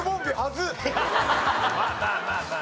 まあまあまあまあ。